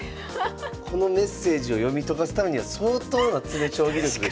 このメッセージを読み解かすためには相当な詰将棋力が必要。